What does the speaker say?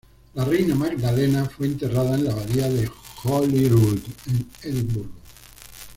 La reina Magdalena fue enterrada en la abadía de Holyrood en Edimburgo.